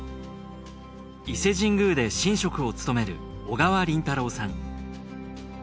伊勢神宮で神職を務める小川倫太郎さん。